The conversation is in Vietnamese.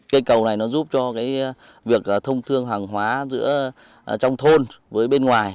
cây cầu này nó giúp cho việc thông thương hàng hóa giữa trong thôn với bên ngoài